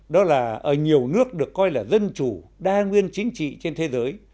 đó là ở nhiều nước được coi là dân chủ đa nguyên chính trị trên thế giới